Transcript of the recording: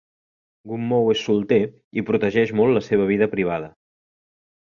Gummow és solter i protegeix molt la seva vida privada.